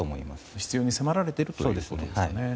必要に迫られているということですね。